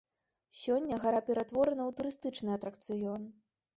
Сёння гара пераўтворана ў турыстычны атракцыён.